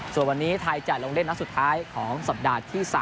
ส่วนวันนี้ไทยจะลงเล่นนัดสุดท้ายของสัปดาห์ที่๓